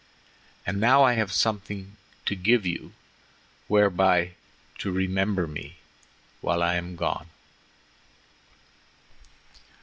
And now I have something to give you whereby to remember me when I am gone."